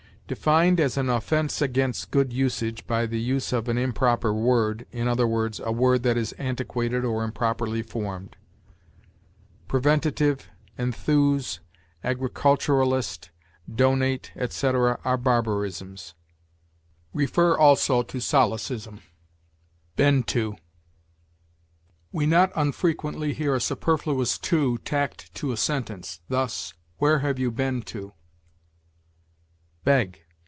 Defined as an offense against good usage, by the use of an improper word, i. e., a word that is antiquated or improperly formed. Preventative, enthuse, agriculturalist, donate, etc., are barbarisms. See also SOLECISM. BEEN TO. We not unfrequently hear a superfluous to tacked to a sentence; thus, "Where have you been to?" BEG.